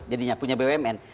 jadinya punya bumn